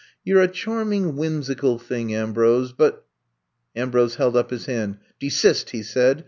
You 're a charming, whimsical thing, Ambrose, but—" Ambrose held up his hand. Desist!" he said.